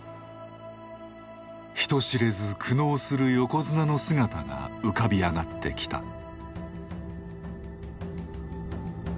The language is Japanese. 人知れず苦悩する横綱の姿が浮かび上がってきた。